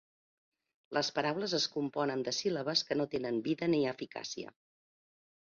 Les paraules es componen de síl·labes que no tenen vida ni eficàcia.